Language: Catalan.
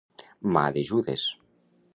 Mà de Judes.